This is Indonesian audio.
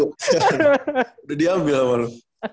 udah diambil sama lu